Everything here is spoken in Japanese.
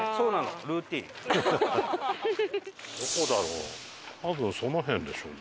どこだろう？